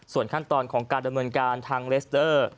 ส่วนขั้นตอนของการดำเนินการทางเลสเตอร์